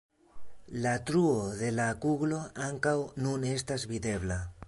La truo de la kuglo ankaŭ nun estas videbla.